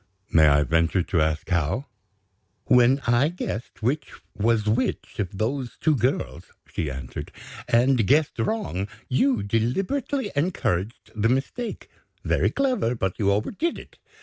"May I venture to ask how?" "When I guessed which was which of those two girls," she answered, "and guessed wrong, you deliberately encouraged the mistake. Very clever, but you overdid it.